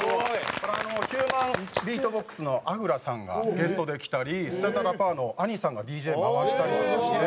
これヒューマンビートボックスのＡＦＲＡさんがゲストで来たりスチャダラパーのＡＮＩさんがＤＪ回したりとかして。